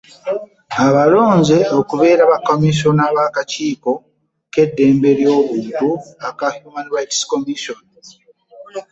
Abalonze okubeera ba kamisona b'akakiiko k'eddembe ly'obuntu aka Human Rights Commission.